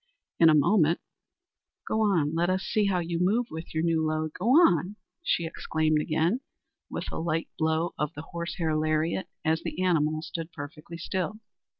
In a moment: "Go on, let us see how you move with your new load! Go on!" she exclaimed again, with a light blow of the horse hair lariat, as the animal stood perfectly still.